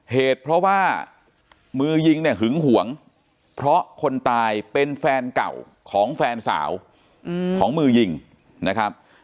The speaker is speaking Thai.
เหตุเพราะว่ามือยิงเนี่ยหึงหวงเพราะคนตายเป็นแฟนเก่าของแฟนสาวของมือยิงนะครับ